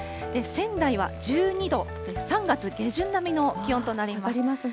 仙台は１２度で３月下旬並みの気温となります。